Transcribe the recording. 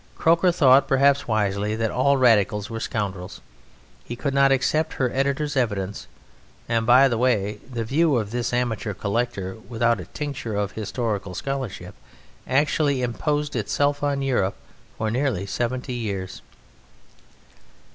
Croker thought, perhaps wisely, that all radicals were scoundrels; he could not accept her editor's evidence, and (by the way) the view of this amateur collector without a tincture of historical scholarship actually imposed itself on Europe for nearly seventy years!